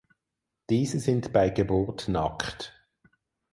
Diese sind bei Geburt nackt.